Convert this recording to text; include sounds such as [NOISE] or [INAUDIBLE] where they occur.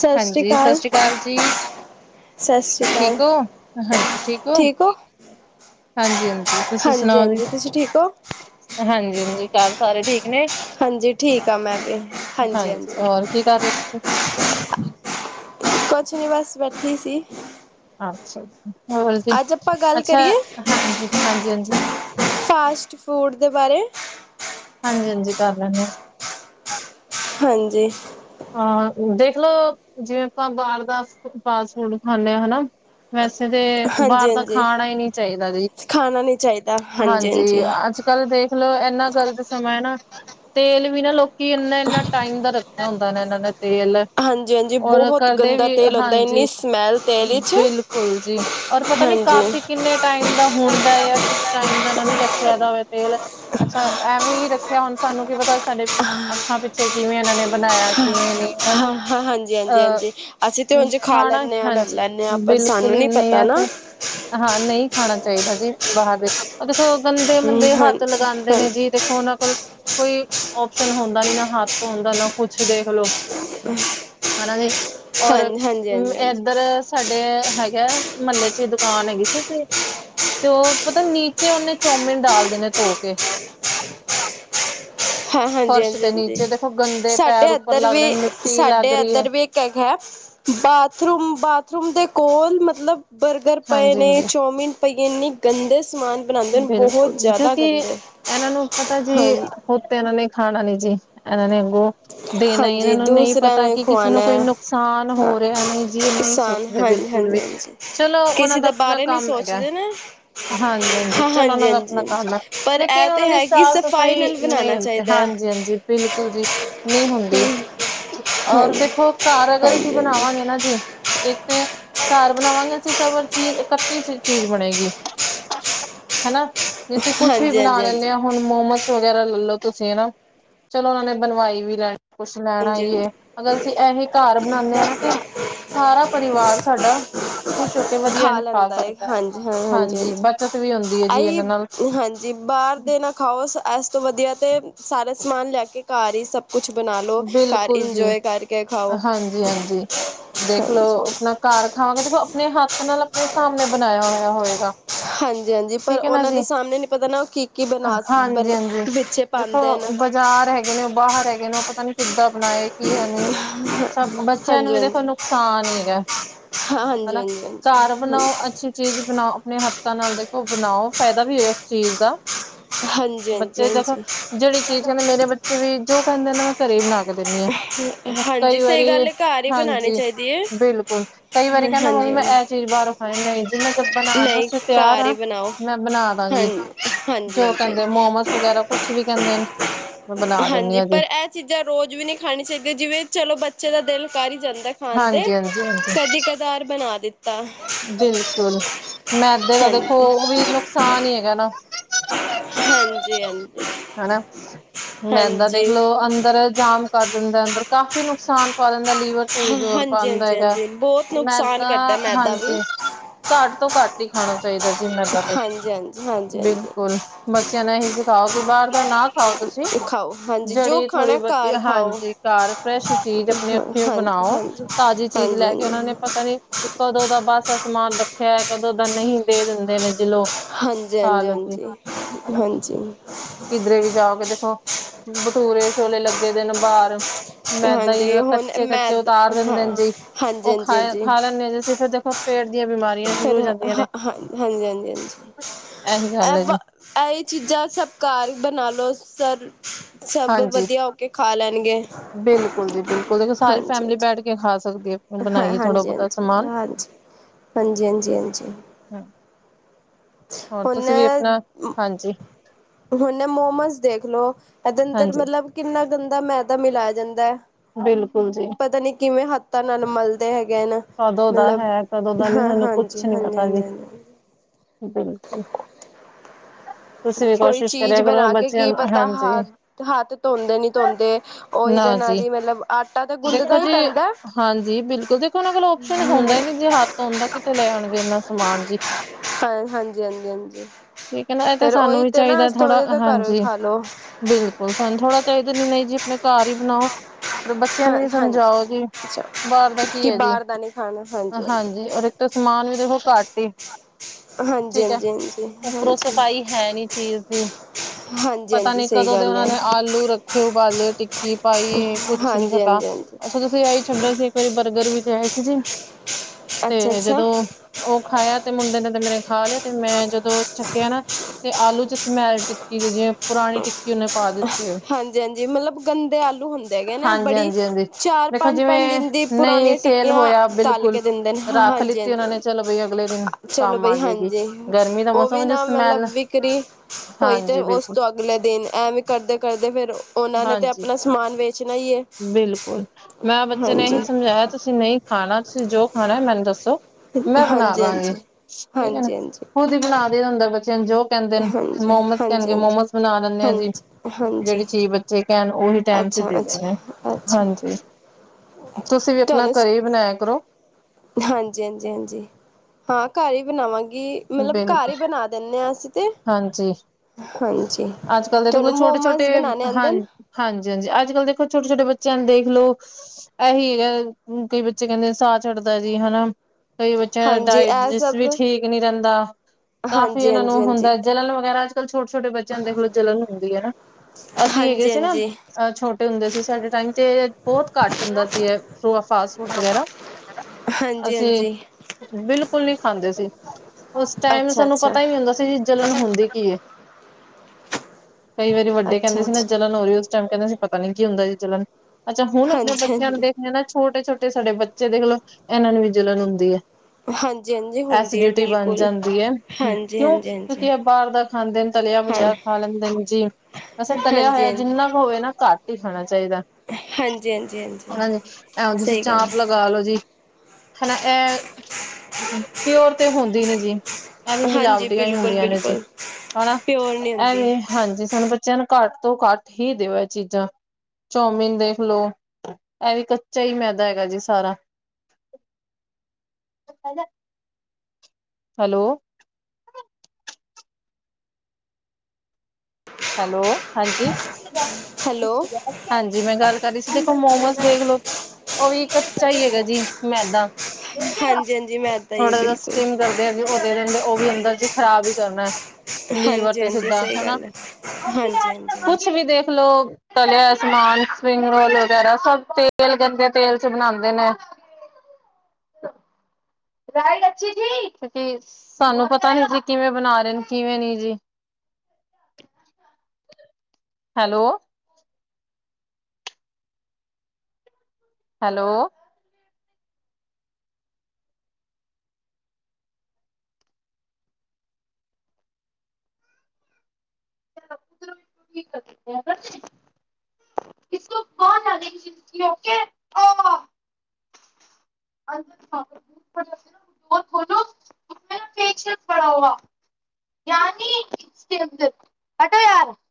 ਸਤਿ ਸ੍ਰੀ ਹਾਂਜੀ, ਸਤਿ ਅਕਾਲ ਜੀ, ਸਤਿ ਸ੍ਰੀ ਠੀਕ ਅਕਾਲ ਹੋ? ਠੀਕ ਹੋ ਹਾਂਜੀ ਹਾਂਜੀ ਤੁਸੀਂ ਹਾਂਜੀ ਸੁਣਾਓ ਵੀ ਹਾਂਜੀ ਤੁਸੀਂ ਠੀਕ ਹੋ ਹਾਂਜੀ ਹਾਂਜੀ ਘਰ ਸਾਰੇ ਠੀਕ ਨੇ ਹਾਂਜੀ ਠੀਕ ਹ ਮੈਂ ਵੀ ਹਾਂਜੀ ਹਾਂਜੀ ਹੋਰ ਕੀ ਕਰ ਰਹੇ ਸੀ ਤੁਸੀਂ? ਕੁਛ ਨੀ ਬਸ ਬੈਠੀ ਸੀ ਅੱਛਾ ਹੋਰ ਜ ਅੱਜ ਆਪਾਂ ਗੱਲ ਅੱਛਾ ਕਰੀਏ ਹਾਂਜੀ ਹਾਂਜੀ ਹਾਂਜੀ ਫਾਸਟ ਫੂਡ ਦੇ ਬਾਰੇ ਹਾਂਜੀ ਹਾਂਜੀ ਕਰ ਲੈਂਦੇ ਹ ਹਾਂਜੀ ਹਾਂ ਦੇਖਲੋ ਜਿਵੇਂ ਆਪਾਂ ਬਾਹਰ ਦਾ ਫਾਸਟ ਫੂਡ ਖਾਂਦੇ ਹਾਂ ਹਨਾ ਵੈਸੇ ਤਾਂ ਹਾਂਜੀ ਬਾਹਰ ਦਾ ਹਾਂਜੀ ਖਾਣਾ ਹੀ ਨਹੀਂ ਚਾਹੀਦਾ ਜੀ ਖਾਣਾ ਨਹੀਂ ਚਾਹੀਦਾ ਹਾਂਜੀ ਅੱਜ ਕੱਲ ਦੇਖ ਲਓ ਇੰਨਾ ਗ਼ਲਤ ਸਮਾਂ ਨਾ ਤੇਲ ਵੀ ਨਾ ਲੋਕੀ ਇੰਨਾ ਇੰਨਾ ਟਾਈਮ ਦਾ ਰੱਖਿਆ ਹੁੰਦਾ ਇਹਨਾਂ ਦਾ ਤੇਲ ਹਾਂਜੀ ਹਾਂਜੀ ਰ ਬਹੁਤ ਕਰਦੇ ਗੰਦਾ ਵੀ ਤੇਲ ਹੁੰਦਾ ਇੰਨੀ ਹਾਂਜੀ ਸਮੈਲ ਤੇਲ ਵਿੱਚ ਬਿਲਕੁਲ ਜੀ ਔਰ ਪਤਾ ਨੀ ਹਾਂਜੀ ਕਾਫੀ ਕਿੰਨੇ ਟਾਈਮ ਦਾ ਹਣਦਾ ਆ ਕਿਸ ਟਾਈਮ ਦਾ ਇਹਨਾਂ ਨੇ ਰੱਖਿਆ ਦਾ ਹੋ ਤੇਲ ਅੱਛਾ ਐਵੇਂ ਹੀ ਰੱਖਿਆ ਹੁਣ ਸਾਨੂੰ ਕਿ ਪਤਾ ਸਾਡੇ ਅੱਖਾਂ ਪਿੱਛੇ ਕਿਵੇਂ ਇਹਨਾਂ ਨੇ ਬਣਾਇਆ ਕਿਵੇਂ ਨੇ ਹਨਾਂ ਹਾਂ ਹਾਂ ਹਾਂਜੀ ਹਾਂਜੀ ਹਾਂਜੀ ਅਸੀਂ ਤਾਂ ਅਹ ਉਂਝ ਖਾ ਖਾਣਾ ਲੈਂਦੇ ਹਾਂ ਲੈ ਹਾਂਜੀ ਲੈਂਦੇ ਹਾਂ ਪਰ ਸਾਨੂੰ ਬਿਲਕੁਲ ਨਹੀਂ ਪਤਾ ਨਾ ਇਥੇ ਹਾਂ ਨਹੀਂ ਖਾਣਾ ਚਾਹੀਦਾ ਜੀ ਬਾਹਰ ਦੇ ਖੋ ਗੰਦੇ ਹਮ ਮੰੰਦੇ ਹੱਥ ਹਾਂਜੀ ਲਗਾਉਂਦੇ ਨੇ ਹਾਂਜੀ ਜੀ ਦੇਖੋ ਉਹਨਾਂ ਕੋਲ ਕੋਈ ਆਪਓਪਸ਼ਨ ਹੁੰਦਾ ਨੀ ਨਾ ਹੱਥ ਧ ਹੁੰਦਾ ਨਾ ਕੁਛ ਦੇਖਲਓ ਹਨਾ ਜੀ, ਹਾਂ ਔਰ ਹਾਂਜੀ ਉੰ ਹਾਂਜੀ ਹਾਂਜੀ ਇੱਧਰ। ਸਾਡੇ ਹੈਗਾ ਮਹੱਲੇ ਚ ਦੁਕਾਨ ਹੈਗੀ ਸੀ। ਅ ਤੇ ਉਹ ਪਤਾ ਨੀਚੇ ਉਹਨੇ ਚੌਮਿਨ ਡਾਲ ਦੇਨੇ ਧੋ ਕੇ। ਹਾਂ ਹਾਂਜੀ, ਫਰਸ਼ ਹਾਂਜੀ, ਦੇ ਹਾਂਜੀ। ਨੀਚੇ ਦੇਖੋ ਗੰਦੇ ਪੈਰ ਸਾਡੇ ਉੱਪਰ ਇੱਧਰ ਲੱਗ ਰਹੇ ਵੀ ਨੇ ਮਿੱਟੀ ਲੱਗ ਸਾਡੇ ਰਹੀ ਹੈ ਇੱਧਰ ਵੀ। ਕ ਬਾਥਰੂਮ ਬਾਥਰੂਮ ਦੇ ਕੋਲ ਮਤਲਬ ਬਰਗਰ ਪਏ ਹਾਂਜੀ ਨੇ ਹਾਂਜੀ ਚਾਮੀਨ ਪਾਈਏ ਇੰਨੀ ਗੰਦੇ ਸਮਾਨ ਬਣਾਉਂਦੇ ਨੇ ਬਿਲਕੁਲ ਬਹੁਤ ਜੀ, ਜ਼ਿਆਦਾ ਕਿਉਕਿ ਗੰਦੇ ਇਹਨਾਂ ਨੂੰ ਪਤਾ ਹਾਂ ਜੀ। ਹੁਣ ਤੇ ਇਹਨਾਂ ਨੇ ਖਾਣਾ ਨਹੀ ਜੀ ਇਹਨਾਂ ਨੇ ਗੋ। ਦੇਣਾ ਹੀ ਹਾਂਜੀ ਇਹਨਾਂ ਨੂੰ ਨਹੀਂ ਦੂਸਰਿਆਂ ਪਤਾ ਨੇ ਕਿ ਕਿਸੇ ਖਵਾਉਣਾ ਨੂੰ ਕੋਈ ਹੈ ਨੁਕਸਾਨ ਹੋ ਹਾਂ ਰਿਹਾ ਨਹੀਂ ਜੀ ਇਹ ਨਹੀਂ ਸੋਚ ਕਿਸਾਨ ਹਾਂਜੀ ਬਿਲਕੁਲ ਹਾਂਜੀ ਵੀ ਹਾਂਜੀ ਚਲੋ ਉਹਨਾਂ ਕਿਸੇ ਦਾ ਦੇ ਆਪਣਾ ਬਾਰੇ ਨਹੀਂ ਕੰਮ ਹੈਗਾ ਸੋਚਦੇ ਨਾ ਹਾਂਜੀ ਹਾਂ ਜੀ। ਚਲੋ ਹਾਂਜੀ ਉਹਨਾਂ ਦਾ ਹਾਂਜੀ ਆਪਣਾ ਹਾਂਜੀ ਕੰਮ ਹੈ। ਪਰ ਇਹ ਲੇਕਿਨ ਤਾਂ ਉਹਨਾਂ ਦੀ ਹੈ ਕਿ ਸਾਫ਼ ਸਫਾਈ ਸਫ਼ਾਈ ਨਾਲ ਨਹੀਂ ਬਣਾਉਣਾ ਹੁੰਦੀ। ਚਾਹੀਦਾ ਹੈ ਹਾਂਜੀ, ਹਾਂਜੀ ਬਿਲਕੁਲ ਜੀ, ਨਹੀਂ ਹੁੰਦੀ। ਔਰ ਹਾਂਜੀ ਦੇਖੋ, ਘਰ ਅਗਰ ਅਸੀਂ ਹਾਂਜੀ ਹਾਂਜੀ ਹਾਂਜੀ ਬਣਾਵਾਂਗੇ ਨਾ ਜੀ। ਇੱਕ ਤੇ ਘਰ ਬਣਾਵਾਂਗੇ, ਅਸੀਂ ਸਗੋ ਚੀਜ਼ ਇਕੱਤੀ ਚ ਚੀਜ਼ ਬਣੇਗੀ। ਹਨਾ ਜੇ ਅਸੀਂ ਕੁਛ ਵੀ ਹਾਂਜੀ ਬਣਾ ਹਾਂਜੀ ਲੈਂਦੇ ਹਾਂਜੀ ਹਾਂ। ਹੁਣ ਮੋਮੋਸ ਵਗੈਰਾ ਲੈਲੋ ਤੁਸੀਂ ਹਨਾ। ਚਲੋ ਉਹਨਾ ਨੇ ਬਣਵਾਈ ਵੀ ਲੈਣੀ। ਕੁਛ ਲੈਣਾ ਹਾਂਜੀ ਹਾਂਜੀ ਈਏ ਅਗਰ ਅਸੀਂ ਇਹ ਘਰ ਬਣਾਉਦੇ ਹਾਂ ਨਾ ਤੇ ਸਾਰਾ ਪਰਿਵਾਰ ਸਾਡਾ ਖੁਸ਼ ਹੋ ਕੇ ਵਧੀਆ ਜਿਹਾ ਖਾ ਲੈਂਦਾ ਏ ਸਕਦਾ ਹੈ। ਹਾਂਜੀ ਹਾਂ ਹਾਂਜੀ, ਬੱਚਤ ਵੀ ਹੁੰਦੀ ਜੀ ਇਹਨਾਂ ਨਾਲ ਜੀ ਬਾਹਰ ਦੇ ਨਾ ਖਾਓ। ਇਸ ਤੋਂ ਵਧੀਆ ਤੇ ਸਾਰਾ ਸਮਾਨ ਲੈ ਕੇ ਘਰ ਹੀ ਸਭ ਕੁਛ ਬਣਾ ਲਓ। ਘਰ ਬਿਲਕੁਲ ਜੀ, ਇੰਜੋਏ ਕਰਕੇ ਖਾਓ ਹਾਂਜੀ, ਹਾਂਜੀ ਦੇਖ ਲੋ। ਹਾਂਜੀ ਆਪਣਾ ਘਰ ਖਾਵਾਂਗੇ ਦੇਖੋ ਆਪਣੇ ਹੱਥ ਨਾਲ ਆਪਣੇ ਹਿਸਾਬ ਨਾਲ ਬਣਾਇਆ ਹੋਇਆ ਹੋਏਗਾ। ਹਾਂਜੀ ਹਾਂਜੀ ਪਰ ਠੀਕ ਹੈ ਨਾ ਉਹਨਾਂ ਜੀ ਦੇ ਸਾਹਮਣੇ ਨੀ ਪਤਾ ਨਾ ਉਹ ਕੀ ਕੀ ਬਨਾਂ ਬਣ ਹਾਂਜੀ ਹਾਂਜੀ ਪਿੱਛੇ। ਦੇਖੋ ਬਾਜ਼ਾਰ ਹੈਗੇ ਨੇ ਬਾਹਰ ਹੈਗੇ ਨੇ। ਪਤਾ ਨੀ ਕਿੱਦਾਂ ਬਣਾਏ ਕੀ ਹੈ ਨੀ ਸਭ ਬੱਚਿਆਂ ਨੂੰ ਹਾਂਜੀ ਵੀ ਦੇਖੋ ਹਾਂਜੀ ਨੁਕਸਾਨ ਹੀ ਹੈਗਾ। ਹਾਂਜੀ, ਹਨਾ ਹਾਂਜੀ, ਘਰ ਹਾਂਜੀ ਬਣਾਓ ਹਾਂ। ਅੱਛੀ ਚੀਜ਼ ਬਣਾਓ ਆਪਣੇ ਹੱਥਾਂ ਨਾਲ ਦੇਖੋ ਬਣਾਓ ਫਾਇਦਾ ਵੀ ਹੈਗਾ ਉਸ ਚੀਜ਼ ਦਾ। ਹਾਂਜੀ ਹਾਂਜੀ ਬੱਚੇ ਦੇਖੋ ਹਾਂਜੀ ਹਾਂਜੀ ਜਿਹੜੀ ਚੀਜ਼ ਕਹਿੰਦੇ ਮੇਰੇ ਬੱਚੇ ਵੀ ਜੋ ਕਹਿੰਦੇ ਨੇ ਮੈਂ ਘਰੇ ਹੀ ਬਣਾ ਕੇ। ਦਿੰਦੀ ਹਾਂ ਹਾਂਜੀ ਕਈ ਸਹੀ ਵਾਰੀ ਗੱਲ ਹੈ ਘਰ ਹੀ ਬਣਾਉਣੀ ਹਾਂਜੀ, ਚਾਹੀਦੀ ਹੈ ਬਿਲਕੁਲ। ਕਈ ਵਾਰੀ ਕਹਿੰਦਾ ਹਾਂਜੀ ਮੰਮੀ ਮੈਂ ਇਹ ਹਾਂਜੀ ਚੀਜ਼ ਬਾਹਰੋਂ ਖਣੀ ਨਹੀਂ ਜੀ ਮੈਂ ਜੇਬਣਾਉਣ ਨਹੀਂ ਲਈ ਤਿਆਰ ਘਰ ਹੀ ਹਾਂ ਬਣਾਓ ਮੈਂ ਬਣਾ ਦਾਂਗੀ। ਹਾਂਜੀ ਹਾਂਜੀ ਹਾਂਜੀ ਜੋ ਹਾਂਜੀ ਕਹਿੰਦੇ ਮੋਮਸ ਵਗੈਰਾ ਕੁਛ ਵੀ ਕਹਿੰਦੇ ਨੇ ਮੈਂ ਬਣਾ ਦਿੰਦੀ ਹਾਂਜੀ ਹਾਂ ਜੀ ਪਰ ਇਹ ਚੀਜ਼ਾਂ ਰੋਜ਼ ਵੀ ਨਹੀਂ ਖਾਣੀ ਚਾਹੀਦੀਆਂ ਜਿਵੇਂ ਚਲੋ ਬੱਚੇ ਦਾ ਦਿਲ ਕਰ ਹੀ ਜਾਂਦਾ। ਖਾਣ ਤੇ ਹਾਂਜੀ ਹਾਂਜੀ ਹਾਂਜੀ ਕਦੀ ਕਦਾਰ ਬਣਾ ਦਿੱਤਾ। ਬਿਲਕੁਲ, ਮੈਦੇ ਦਾ ਦੇਖੋ ਹਾਂਜੀ ਉਹ ਵੀ ਨੁਕਸਾਨ ਹੀ ਹੈਗਾ ਨਾ। ਹਾਂਜੀ ਹਾਂਜੀ ਹਨਾ ਮੈਦਾ ਹਾਂਜੀ ਦੇਖ ਲੋ ਅੰਦਰ। ਜਾਮ ਕਰ ਦਿੰਦਾ ਅੰਦਰ ਕਾਫ਼ੀ ਨੁਕਸਾਨ ਪਾ ਦਿੰਦਾ। ਲੀਵਰ ਤੇ ਵੀ ਜ਼ੋਰ ਹਾਂਜੀ ਪਾਉਂਦਾ ਹਾਂਜੀ ਹੈਗਾ। ਹਾਂਜੀ ਬਹੁਤ ਨੁਕਸਾਨ ਮੈਂਦਾ ਕਰਦਾ ਮੈਦਾ ਵੀ ਘੱਟ ਤੋਂ ਘੱਟ ਹੀ ਖਾਣਾ ਚਾਹੀਦਾ ਜੀ ਮੈਦਾ ਤੇ ਹਾਂਜੀ ਹਾਂਜੀ ਹਾਂਜੀ ਹਾਂਜੀ ਬਿਲਕੁਲ। ਬੱਚਿਆਂ ਨੂੰ ਇਹੀ ਸਿਖਾਓ ਕਿ ਬਾਹਰ ਦਾ ਨਾ। ਖਾਓ ਤੁਸੀਂ, ਖਾਓ ਹਾਂਜੀ ਜੋ ਜਿਹੜੀ ਥੋੜ੍ਹੀ ਖਾਣਾ ਬਹੁਤੀ ਘਰ ਖਾਓ ਹਾਂਜੀ ਘਰ ਫਰੈਸ਼ ਚੀਜ਼ ਆਪਣੀ ਹਾਂ ਅੱਖੀਓ ਹਾਂਜੀ ਬਣਾਓ। ਹਾਂਜੀ ਤਾਜ਼ੀ ਚੀਜ਼ ਹਾਂਜੀ ਲੈ ਕੇ ਉਹਨਾ ਨੇ ਪਤਾ ਨੀ। ਕਦੋਂ ਦਾ ਬਾਸਾ ਸਮਾਨ ਰੱਖਿਆ ਕਦੋਂ ਦਾ ਨਹੀਂ ਦੇ ਦਿੰਦੇ ਨੇ ਜਿ ਲੋਕ। ਹਾਂਜੀ ਹਾਂਜੀ ਹਾਂਜੀ ਹਾਂਜੀ। ਕਿਧਰੇ ਵੀ ਜਾਓਗੇ ਦੇਖੋ ਭਟੂਰੇ ਛੋਲੇ ਲੱਗੇ ਦੇ ਨੇ ਬਾਹਰ। ਮੈਦਾ ਹੀ ਹਾਂਜੀ ਹੁਣ ਕੱਚੇ ਕੱਚੇ ਮੈਦਾ ਉਤਾਰ ਹਾਂ ਦਿੰਦੇ ਨੇ ਜੀ ਹਾਂਜੀ ਉਹ ਹਾਂਜੀ ਖਾ ਹਾਂਜੀ ਖਾ ਲੈਂਦੇ ਆ ਜੀ। ਸੀ ਫਿਰ ਦੇਖੋ। ਪੇਟ ਦੀਆਂ ਬਿਮਾਰੀਆਂ ਸ਼ੁਰੂ ਫਿਰ ਹੋ ਹਾਂ ਜਾਂਦੀਆਂ ਨੇ ਹਾਂ ਹਾਂਜੀ ਹਾਂਜੀ ਹਾਂਜੀ ਇਹੀ ਗੱਲ ਹੈ ਇਹ ਜੀ। ਇਹ ਚੀਜ਼ਾਂ ਸਭ ਘਰ ਬਣਾ ਲਓ ਸਰ। ਸਭ ਹਾਂਜੀ ਵਧੀਆ ਹੋ ਕੇ ਖਾ ਲੈਣਗੇ ਬਿਲਕੁਲ ਜੀ, ਬਿਲਕੁਲ ਸਾਰੀ ਹਾਂਜੀ ਫੈਮਲੀ ਬੈਠ ਕੇ ਖਾ ਸਕਦੀ ਆ। ਹਾਂ ਹਾਂਜੀ ਹਾਂਜੀ ਹਾਂਜੀ ਹਾਂਜੀ ਹਾਂਜੀ ਹਾਂਜੀ। ਹੋੁਰ ਹੁਣ ਤੁਸੀਂ ਵੀ ਆਪਣਾ ਹਾਂਜੀ। ਹੁਣ ਨਾ ਮੋਮਸ ਦੇਖਲੋ ਇਹਦੇ ਅੰਦਰ ਹਾਂਜੀ ਮਤਲਬ ਕਿੰਨਾ ਗੰਦਾ ਮੈਦਾ ਮਿਲਾਇਆ ਜਾਂਦਾ ਹੈ ਬਿਲਕੁਲ ਜੀ ਪਤਾ ਨੀ ਕਿਵੇਂ ਹੱਥਾਂ ਨਾਲ ਮਲਦੇ ਹੈਗੇ ਨਾ ਕਦੋਂ ਦਾ ਹੈ ਕਦੋਂ ਦਾ ਨੀ ਸਾਨੂੰ ਕੁਛ ਨੀ ਹਾਂਜੀ ਪਤਾ ਹਾਂਜੀ ਜੀ ਹਾਂਜੀ ਬਿਲਕੁਲ ਹ ਤੁਸੀਂ ਵੀ [INAUDIBLE] ਕੋਈ ਕੋਸ਼ਿਸ਼ ਚੀਜ਼ ਕਰਿਆ ਕਰੋ ਬਣਾ ਕੇ ਬੱਚਿਆਂ ਕੀ ਨੂੰ ਪਤਾ ਹੱ ਹਾਂਜੀ ਹੱਥ ਧੋਂਦੇ ਨੀ ਧੋਂਦੇ ਉਹੀ ਨਾ ਦਾ ਨਾਲ ਜੀ ਦੀ ਮਤਲਬ ਆਟਾ ਤੇ ਦੇਖੋ ਗੁੰਦਾ ਹੀ ਜੀ ਪੈਂਦਾ। ਹਾਂਜੀ ਬਿਲਕੁਲ ਦੇਖੋ ਉਹਨਾਂ ਕੋਲ ਓਪਸ਼ਨ ਹੁੰਦਾ ਹੀ, ਨੀ ਜੇ ਹੱਥ ਹੁੰਦਾ ਕਿਤੇ ਲੈ ਆਣਗੇ ਇਨਾ ਸਮਾਨ ਜੀ। ਹਾਂ ਹਾਂਜੀ, ਹਾਂਜੀ, ਹਾਂਜੀ, ਠੀਕ ਹੈ, ਨਾ ਇਹ ਤਾਂ ਫੇਰ ਸਾਨੂੰ ਉਹੀ ਵੀ ਤੇ ਨਾ ਚਾਹੀਦਾ ਇਸ ਤੋਂ ਥੋੜਾ ਵਧੀਆ ਤਾਂ ਘਰੋਂ ਹੀ ਹਾਂਜੀ। ਖਾ ਲੋ ਬਿਲਕੁਲ ਸਾਨੂੰ ਥੋੜਾ ਚਾਹੀਦਾ, ਨੀ ਨਹੀਂ ਜੀ ਆਪਣੇ ਘਰ ਹੀ ਬਣਾਓ। ਫੇਰ ਬੱਚਿਆਂ ਹਾਂ ਨੂੰ ਵੀ ਹਾਂਜੀ ਸਮਝਾਓ, ਜੀ ਅੱਛਾ ਬਾਹਰ ਦਾ ਕਿ ਬਾਹਰ ਦਾ ਨੀ ਖਾਣਾ ਹਾਂਜੀ-ਹਾਂਜੀ, ਰ ਇੱਕ ਤਾਂ ਸਮਾਨ ਵੀ ਦੇਖੋ ਘੱਟ ਹਾਂਜੀ ਹਾਂਜੀ ਠੀਕ ਹੈ, ਹਾਂਜੀ ਉੱਪਰੋਂ ਹਾਂਜੀ ਸਫ਼ਾਈ ਹੈ ਨੀ ਚੀਜ਼ ਦੀ ਹਾਂਜੀ ਪਤਾ ਹਾਂਜੀ ਨੀ ਸਹੀ ਕਦੋਂ ਦੇ ਗੱਲ ਹੈ ਉਹਨਾਂ ਨੇ ਆਲੂ ਰੱਖੇ, ਉਬਾਲੇ ਟਿੱਕੀ ਪਾਈ ਏ ਕੁ ਕੁਛ ਨੀ ਹਾਂਜੀ ਪਤਾ ਹਾਂਜੀ ਹਾਂਜੀ ਅੱਛਾ ਤ ਸੀ ਆਈ ਛੱਡੋ ਸੀ, ਇੱਕ ਵਾਰੀ ਬਰਗਰ ਵੀ ਲਿਆਏ ਸੀ, ਜੀ ਅੱਛਾ ਤੇ ਅੱਛਾ ਜਦੋਂ ਉਹ ਖਾਇਆ ਤੇ ਮੁੰਡੇ ਨੇ ਤੇ ਮੇਰੇ ਖਾ ਲਿਆ ਤੇ ਮੈਂ ਜਦੋਂ ਚੱਕਿਆ ਨਾ ਤੇ ਆਲੂ ਚ ਸਮੈਲ ਟਿੱਕੀ ਜਿਵੇ ਹਾਂਜੀ-ਹਾਂਜੀ, ਮਤਲਬ ਗੰਦੇ ਆਲੂ ਹੁੰਦੇ ਹੈਗੇ ਨਾ ਹਾਂਜੀ, ਬੜੀ ਹਾਂਜੀ, ਹਾਂਜੀ ਚਾਰ ਦੇਖੋ ਪੰਜ-ਪੰਜ ਜਿਵੇਂ ਦਿਨ ਦੀ, ਨਹੀਂ ਪੁਰਾਣੀਆਂ ਸੇਲ ਟਿੱਕੀਆਂ ਹੋਇਆ ਤਲ ਬਿਲਕੁਲ ਕੇ ਦਿੰਦੇ ਨੇ ਰੱਖ ਹਾਂਜੀ, ਲਿੱਤੀ ਹਾਂਜੀ ਉਹਨਾਂ ਹਾਂ। ਨੇ ਚਲੋ ਬਈ ਅਗਲੇ ਦਿਨ ਚਲੋ ਕੰਮ ਆ ਬਈ ਜਾਏਗੀ। ਹਾਂਜੀ, ਗਰਮੀ ਦਾ ਉਹ ਵੀ ਮੌਸਮ ਜੇ ਨਾ ਮਤਲਬ ਸਮੈਲ ਵਿਕਰੀ ਹੋਈ ਤੇ ਹਾਂਜੀ ਉਸ ਬਿਲਕੁਲ ਤੋਂ ਅਗਲੇ ਦਿਨ ਐਂ ਵੀ ਕਰਦੇ, ਕਰਦੇ ਫੇਰ ਉਹਨਾਂ ਨੇ ਤੇ ਹਾਂਜੀ ਆਪਣਾ ਸਮਾਨ ਵੇਚਣਾ ਹੀ ਹੈ। ਬਿਲਕੁਲ ਮੈਂ ਬੱਚੇ ਨੇ ਹਾਂਜੀ ਇਹੀ ਸਮਝਾਇਆ, ਤੁਸੀਂ ਨਹੀਂ ਖਾਣਾ ਤੁਸੀਂ ਜੋ ਖਾਣਾ ਮੈਨੂੰ ਦੱਸੋ? ਮੈਂ ਬਣਾ ਹਾਂਜੀ ਦਵਾਂਗੀ, ਹਾਂਜੀ ਠੀਕ ਹੈ ਨਾ ਹਾਂਜੀ ਹਾਂਜੀ ਖੁਦ ਹੀ ਬਣਾ ਦੇ ਹੁੰਦਾ ਬੱਚਿਆਂ ਨੂੰ ਜੋ ਕਹਿੰਦੇ ਹਾਂਜੀ ਹਾਂਜੀ ਮੋਮੋਸ ਕਹਿਣਗੇ ਹਾਂਜੀ ਮੋਮੋਸ ਬਣਾ ਲੈਂਦੇ, ਆ ਜੀ ਹਾਂਜੀ ਜਿਹੜੀ ਹਾਂਜੀ ਚੀਜ਼ ਬੱਚੇ ਕਹਿਣ ਉਹੀ ਟਾਈਮ ਚ ਅੱਛਾ ਦੇ ਦੇਣਾ। ਅੱਛਾ ਅੱਛਾ ਹਾਂਜੀ ਤੁਸੀਂ ਵੀ ਆਪਣਾ ਘਰੇ ਬਣਾਇਆ ਕਰੋ। ਹਾਂਜੀ-ਹਾਂਜੀ-ਹਾਂਜੀ, ਹਾਂ ਘਰ ਹੀ ਬਣਾਵਾਂਗੀ, ਮਤਲਬ ਘਰ ਬਿਲਕੁਲ ਹੀ ਬਣਾ ਦਿੰਦੇ ਹਾਂ ਅਸੀਂ ਤੇ ਹਾਂਜੀ, ਹਾਂਜੀ ਅੱਜ-ਕੱਲ ਦੇ ਦੇਖੋ ਤੁਹਾਨੂੰ ਛੋਟੇ-ਛੋਟੇ ਮੋਮਸ ਬਣਾਉਣੇ ਹਾਂ। ਆਉਂਦੇ ਨੇ ਹਾਂਜੀ-ਹਾਂਜੀ, ਅੱਜ-ਕੱਲ੍ਹ ਦੇਖੋ ਛੋਟੇ-ਛੋਟੇ ਬੱਚਿਆਂ ਨੂੰ ਦੇਖ ਲੋ। ਇਹੀ ਹੈਗਾ, ਕਈ ਬੱਚੇ ਕਹਿੰਦੇ ਸਾਹ ਛੱਡਦਾ ਜੀ ਹਨਾ। ਕਈ ਬੱਚਿਆਂ ਦਾ ਹਾਂਜੀ ਇਹ ਡਾਇਜਿਸਟ ਸਭ ਵੀ ਠੀਕ ਨੀ ਰਹਿੰਦਾ, ਕਾਫ਼ੀ ਹਾਂਜੀ ਉਹਨਾਂ ਨੂੰ ਹਾਂਜੀ ਹਾਂਜੀ ਹੁੰਦਾ ਜਲਣ ਵਗੈਰਾ। ਅ ਕੱਲ੍ਹ ਛੋਟੇ-ਛੋਟੇ ਬੱਚਿਆਂ ਦੇਖਲੋ ਜਲਨ ਹੁੰਦੀ ਹੈ, ਹਾਂਜੀ ਅਸੀਂ ਹੈਗੇ ਸੀ ਨਾ ਹਾਂਜੀ ਅ ਛੋਟੇ ਹੁੰਦੇ ਸੀ, ਸਾਡੇ ਟਾਈਮ ਤੇ ਬਹੁਤ ਘੱਟ ਹੁੰਦਾ ਸੀ, ਫਾਸਟ ਫੂਡ ਵਗੈਰਾ। ਅਸੀਂ ਹਾਂਜੀ-ਹਾਂਜੀ, ਬਿਲਕੁਲ ਨੀ ਖਾਂਦੇ ਸੀ, ਉਸ ਟਾਈਮ ਅੱਛਾ ਸਾਨੂੰ ਅੱਛਾ ਪਤਾ ਹੀ ਨੀ ਹੁੰਦਾ ਸੀ, ਜਲਣ ਹੁੰਦੀ। ਕਈ ਵਾਰੀ ਵੱਡੇ ਕਹਿੰਦੇ ਅੱਛਾ ਅੱਛਾ ਸੀ, ਨਾ ਜਲ ਟਾਈਮ ਕਹਿੰਦੇ ਸੀ ਪਤਾ ਕੀ ਹੁੰਦਾ, ਚਲਣ ਅੱਛਾ ਹੁਣ ਆਪਣੇ ਹਾਂਜੀ ਬੱਚਿਆਂ ਨੂੰ ਹਾਂਜੀ ਦੇਖਦੇ ਹ ਨਾ ਛੋਟੇ-ਛੋਟੇ। ਤੇ ਸਾਡੇ ਬੱਚੇ ਦੇਖਲੋ, ਇਹਨਾਂ ਨੂੰ ਵੀ ਜਲਣ ਹੁੰਦੀ ਹੈ। ਹਾਂਜੀ-ਹਾਂਜੀ ਹੁੰਦੀ ਹੈ, ਐਸੀਡਿਟੀ ਬਣ ਬਿਲਕੁਲ ਜਾਂਦੀ ਹੈ, ਹਾਂਜੀ ਕਿਉਂ ਹਾਂਜੀ ਹਾਂਜੀ ਕਿਉਂਕਿ ਇਹ ਬਾਹਰ ਦਾ ਖਾਂਦੇ ਨੇ ਤਲਿਆ ਹਾਂ ਵਲਿਆ ਖਾ ਲੈਂਦੇ ਨੇ ਜੀ। ਵੈਸੇ ਹਾਂਜੀ ਤਲਿਆ ਹਾਂਜੀ ਹੋਇਆ, ਜਿੰਨਾ ਕੁ ਹੋਵੇ ਨਾ ਘੱਟ ਹੀ ਖਾਣਾ ਚਾਹੀਦਾ। ਹਾਂਜੀ ਹਾਂਜੀ ਹਾਂਜੀ, ਐ ਤੁਸੀਂ ਸਹੀ ਗੱਲ ਚਾਂਪ ਲਗਾਲੋ ਜੀ। ਹਨਾ, ਇਹ ਪਿਓਰ ਤੇ ਹੁੰਦੀ ਨੀ ਜੀ। ਐ ਵੀਂ ਹਾਂਜੀ ਮਿਲਾਵਟੀਆਂ ਹੀ ਬਿਲਕੁਲ ਹੁੰਦੀਆਂ, ਨੇ ਜੀ ਬਿਲਕੁਲ ਹਨਾ ਪਿਓਰ ਨਹੀਂ ਹੁੰਦੀ ਐਵੇਂ। ਹਾਂਜੀ, ਸਾਨੂੰ ਬੱਚਿਆਂ ਨੂੰ ਘੱਟ ਤੋਂ ਘੱਟ ਹੀ ਦਿਓ ਇਹ ਚੀਜ਼ਾਂ। ਚੌਮਿਨ ਦੇਖਲੋ, ਇਹ ਵੀ ਕੱਚਾ ਹੀ ਮੈਦਾ ਹੈਗਾ ਜੀ ਸਾਰਾ [INAUDIBLE] ਹੈਲੋ। ਹੈਲੋ ਹਾਂਜੀ। ਹੈਲੋ ਹਾਂਜੀ ਮੈਂ ਗੱਲ ਕਰ ਰਹੀ ਸੀ, ਦੇਖੋ ਮੋਮੋਸ ਦੇੇਖਲ ਉਹ ਵੀ ਕੱਚਾ ਹੀ ਹੈਗਾ ਜੀ ਮੈਦਾ। ਹਾਂਜੀ ਹਾਂਜੀ ਮੈਂ ਇੱਦਾਂ ਹੀ ਹੈ ਥੋੜਾ ਜਿਹਾ ਬਿਲਕੁਲ ਸਟੀਮ ਕਰ ਉਹਦੇ ਰਿੰਦੇ ਉਹ ਵੀ ਅੰਦਰ ਚ ਖ਼ਰਾਬ ਹੀ ਕਰਨਾ ਲੀਵਰ ਹਾਂਜੀ ਤੇ ਹਾਂਜੀ ਸਿੱਧਾ ਸਹੀ ਹਨਾ। ਗੱਲ ਹੈ ਹਾਂਜੀ ਹਾਂਜੀ ਕੁਛ ਵੀ ਦੇਖ ਲਓ। ਤਲਿਆ ਸਮਾਨ ਸਪਿੰਗ ਰੋਲ ਵਗੈਰਾ ਸਭ ਤੇਲ ਗੰਦੇ ਤੇਲ ਚ ਬਣਾਉਂਦੇ ਨੇ। [INAUDIBLE] ਕਿਉਕਿ ਸਾਨੂੰ ਪਤਾ ਹੀ ਜੀ ਕਿਵੇਂ ਬਣਾ ਰਹੇ ਕਿਵੇਂ ਨੀ ਜੀ। ਹੈਲੋ। ਹੈਲੋ। [UNINTELLIGIBLE] [UNINTELLIGIBLE] [UNINTELLIGIBLE] [UNINTELLIGIBLE]